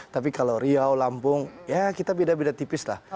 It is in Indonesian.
tapi kalau riau lampung ya kita beda beda tipis lah